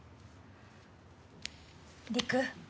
陸。